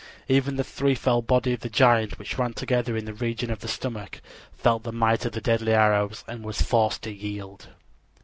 Even the threefold body of the giant which ran together in the region of the stomach, felt the might of the deadly arrows and was forced to yield.